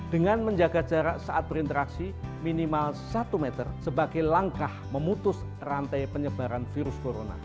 dengan menjaga jarak saat berinteraksi minimal satu meter sebagai langkah memutus rantai penyebaran virus corona